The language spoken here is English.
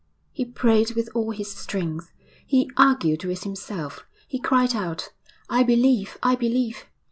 He prayed with all his strength, he argued with himself, he cried out, 'I believe! I believe!'